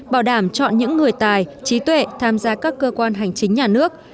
bảo đảm chọn những người tài trí tuệ tham gia các cơ quan hành chính nhà nước